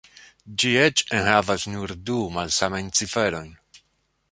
Ĝi eĉ enhavas nur du malsamajn ciferojn.